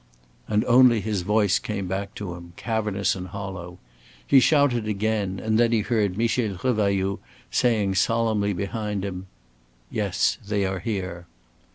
And only his voice came back to him, cavernous and hollow. He shouted again, and then he heard Michel Revailloud saying solemnly behind him: "Yes, they are here."